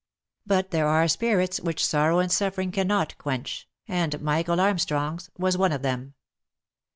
But there are spirits which sorrow and suffering cannot quench, and Michael Armstrong's was one of them.